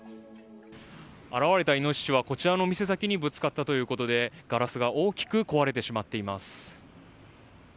現れたイノシシはこちらの店先にぶつかったということでガラスが大きく壊れています。